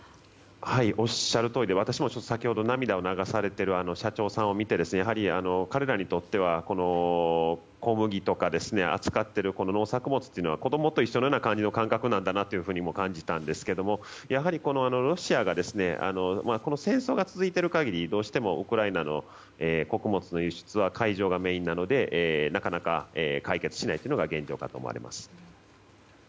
おっしゃるとおりで私も先ほど涙を流されている社長を見て、彼らにとってはこの小麦とか扱っている農作物は子供と一緒のような感覚なんだなと感じたんですけど、ロシアがこの戦争が続いている限りどうしてもウクライナの穀物の輸出は海上がメインなのでなかなか解決しないというのが現状かと思われます。